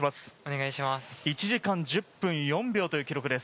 １時間１０分４秒という記録です。